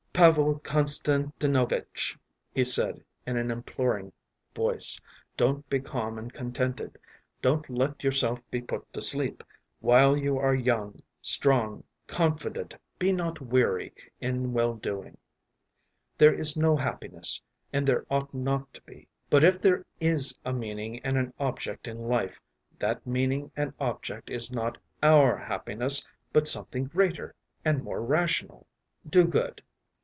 “Pavel Konstantinovitch,” he said in an imploring voice, “don’t be calm and contented, don’t let yourself be put to sleep! While you are young, strong, confident, be not weary in well doing! There is no happiness, and there ought not to be; but if there is a meaning and an object in life, that meaning and object is not our happiness, but something greater and more rational. Do good!